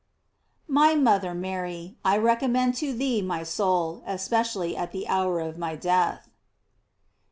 My mother Mary, I recommend to thee my soul, especially at the hour of my death.